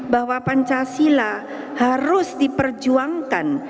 bahwa pancasila harus diperjuangkan